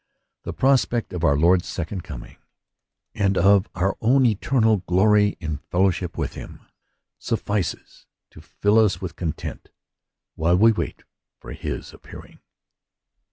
The pros pect of our Lord's second coming, and of our own eternal glory in fellowship with Him, suffices to fill us with content while we wait for his appear ing.